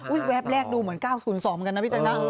อุ๊ยแวบแรกดูเหมือน๙๐๒กันนะพี่แจ๊กนะ